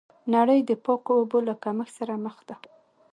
نړۍ د پاکو اوبو له کمښت سره مخ ده.